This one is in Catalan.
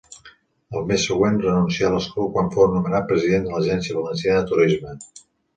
El mes següent renuncià a l'escó quan fou nomenat president de l'Agència Valenciana de Turisme.